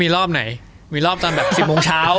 มีรอบไหนมีรอบตอนแบบ๑๐โมงเช้า